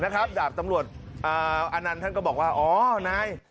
ครับน้องดาบจัดฐานว่าอนันทร์เขาก็บอกว่าอ๋อนาย